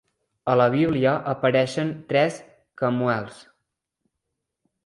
A la Bíblia apareixen tres Quemuels.